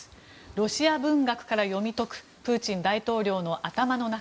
ロシア文学から読み解くプーチン大統領の頭の中。